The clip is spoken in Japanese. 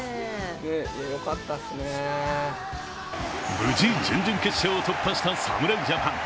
無事、準々決勝を突破した侍ジャパン。